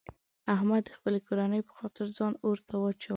احمد د خپلې کورنۍ په خاطر ځان اورته واچولو.